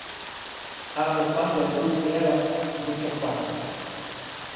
Ambos bandos sufrieron muchas bajas.